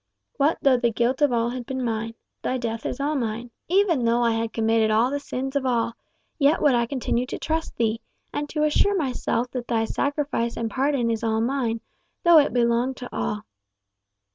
What though the guilt of all had been mine? thy death is all mine. Even though I had committed all the sins of all, yet would I continue to trust thee, and to assure myself that thy sacrifice and pardon is all mine, though it belong to all."